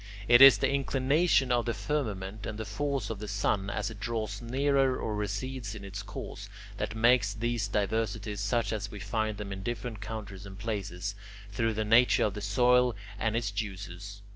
It is the inclination of the firmament and the force of the sun, as it draws nearer or recedes in its course, that make these diversities such as we find them in different countries and places, through the nature of the soil and it's juices.